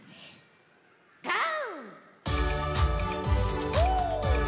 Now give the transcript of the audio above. ゴー！